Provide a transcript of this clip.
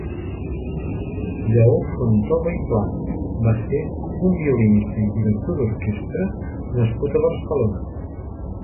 Lleó Fontova i Planes va ser un violinista i director d'orquestra nascut a Barcelona.